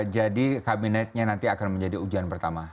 jadi kabinetnya nanti akan menjadi ujian pertama